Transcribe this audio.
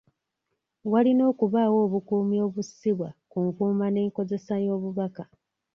Walina okubaawo obukuumi obussibwa ku nkuuma n'enkozesa y'obubaka.